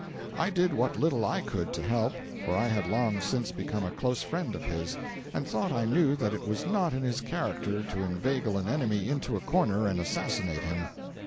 I did what little I could to help, for I had long since become a close friend of his, and thought I knew that it was not in his character to inveigle an enemy into a corner and assassinate him.